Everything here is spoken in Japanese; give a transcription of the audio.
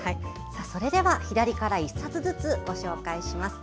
左から１冊ずつご紹介します。